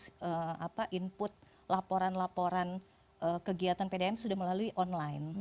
pemerintah sudah melakukan proses input laporan laporan kegiatan pdam sudah melalui online